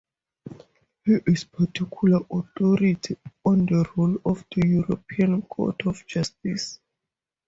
He is a particular authority on the role of the European Court of Justice.